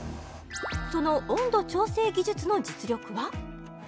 その温度調整技術の実力は？